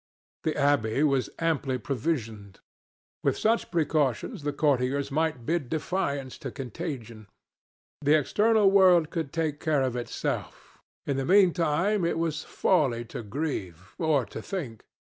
The abbey was amply provisioned. With such precautions the courtiers might bid defiance to contagion. The external world could take care of itself. In the meantime it was folly to grieve, or to think.